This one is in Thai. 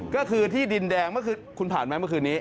ก็คือที่ดินแดงคุณผ่านไหมเมื่อคืนนี้